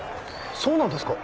そうなんですか？